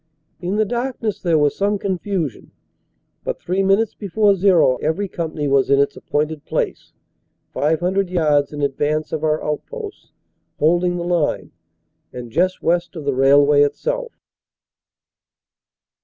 In the darkness there was some confusion but three minutes before "zero" every company was in its appointed place, 500 yards in advance of our outposts holding the line, and just west of the railway itself.